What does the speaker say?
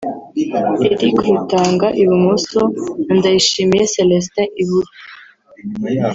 Eric Rutanga (Ibumoso) na Ndayishimiye Celestin (Ibumryo)